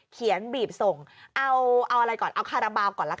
บีบส่งเอาอะไรก่อนเอาคาราบาลก่อนละกัน